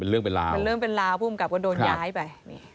เป็นเรื่องเป็นลาวผู้กำกับก็โดนย้ายไป